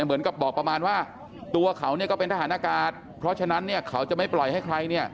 เหมือนกับบอกประมาณว่าตัวเขาก็เป็นทหารอากาศเพราะฉะนั้นเนี่ยเขาจะไม่ปล่อยให้ใครเนี่ย